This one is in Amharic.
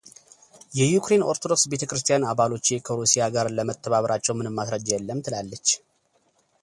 የዩክሬን ኦርቶዶክስ ቤተክርስትያን አባሎቼ ከሩሲያ ጋር ለመተባበራቸው ምንም ማስረጃ የለም ትላለች።